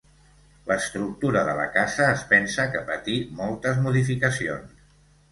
L'estructura de la casa es pensa que patí moltes modificacions.